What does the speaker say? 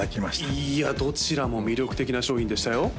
いやどちらも魅力的な商品でしたよ